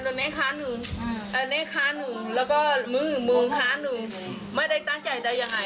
แต่ว่ามีคาดเดียวไม่ใช่